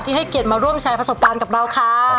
ที่ให้เกลียดมาร่วมใช้ประสบการณ์กับเราค่ะขอบคุณค่ะขอบคุณค่ะ